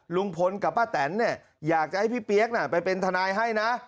ลุงพลกับป้าแตนเนี่ยอยากจะให้พี่เปี๊ยกไปเป็นทนายให้นะ